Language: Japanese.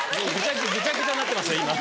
ぐちゃぐちゃになってますよ今。